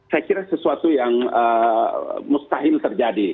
saya kira sesuatu yang mustahil terjadi